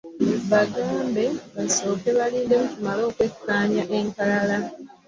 Bagambe basooke balindemu tumale okwekkaanya enkalala.